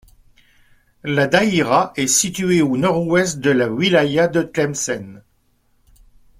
La daïra est située au nord-ouest de la wilaya de Tlemcen.